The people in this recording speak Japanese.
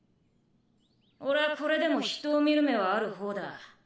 俺はこれでも人を見る目はあるほうだ。